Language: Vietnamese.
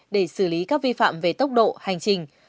để xử lý các vi phạm về tốc độ hành trình